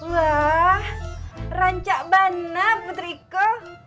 wah rancak bana putriko